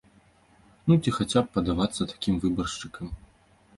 Ну, ці хаця б падавацца такім выбаршчыкам.